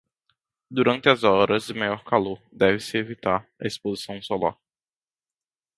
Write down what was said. Durante as horas de maior calor, deve-se evitar a exposição solar.